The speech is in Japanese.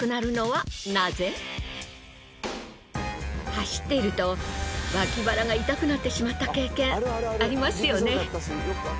走っているとわき腹が痛くなってしまった経験ありますよね。